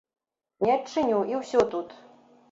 Не адчыню, і ўсё тут!